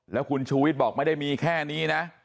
แล้วคุณชูวิทย์บอกไม่ได้มีแค่นี้นะ